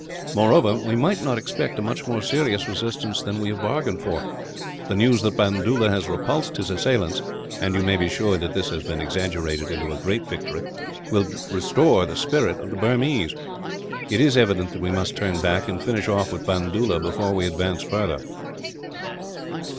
Moreover, we might expect a much more serious resistance than we have bargained for. The news that Bandoola has repulsed his assailants and you may be sure that this has been exaggerated into a great victory will restore the spirit of the Burmese. It is evident that we must turn back, and finish off with Bandoola before we advance further."